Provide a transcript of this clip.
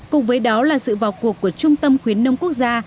cùng với đó là sự vào cuộc của trung tâm khuyến nông quốc gia